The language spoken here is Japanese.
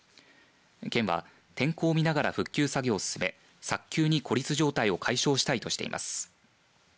県は天候を見ながら復旧作業を進め早急に孤立状態を解消したいとしています。